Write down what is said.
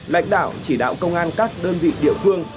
lãnh đạo chỉ đạo công an các đơn vị địa phương